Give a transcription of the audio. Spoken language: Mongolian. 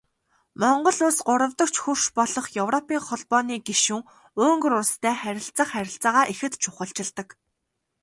Монгол Улс гуравдагч хөрш болох Европын Холбооны гишүүн Унгар улстай харилцах харилцаагаа ихэд чухалчилдаг.